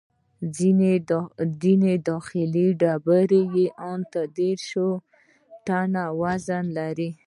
ځینې داخلي ډبرې یې ان دېرش ټنه وزن لري.